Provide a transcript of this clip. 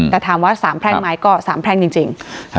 แต่ถามว่าสามแพร่งไหมก็สามแพร่งจริง